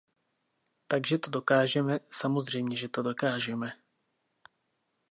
Takže to dokážeme, samozřejmě, že to dokážeme.